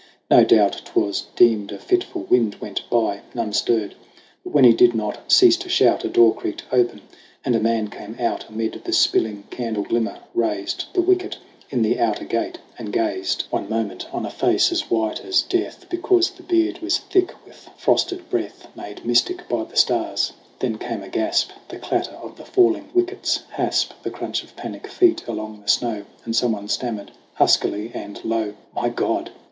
No doubt 'twas deemed a fitful wind went by; None stirred. But when he did not cease to shout, A door creaked open and a man came out Amid the spilling candle glimmer, raised The wicket in the outer gate and gazed io6 SONG OF HUGH GLASS One moment on a face as white as death, Because the beard was thick with frosted breath Made mystic by the stars. Then came a gasp, The clatter of the falling wicket's hasp, The crunch of panic feet along the snow; And someone stammered huskily and low : "My God!